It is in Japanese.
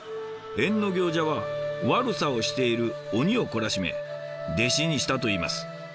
役行者は悪さをしている鬼を懲らしめ弟子にしたといいます。